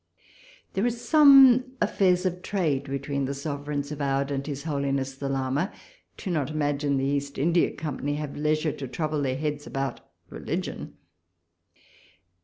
There are some affairs of trade between the sovereigns of Oude and his Holiness the Lama. Do not imagine the East India Company have leisure to trouble their heads about reli gion.